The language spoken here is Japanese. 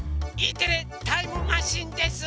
「Ｅテレタイムマシン」です。